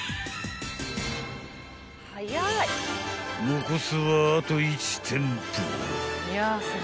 ［残すはあと１店舗］